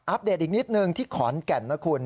ปเดตอีกนิดนึงที่ขอนแก่นนะคุณ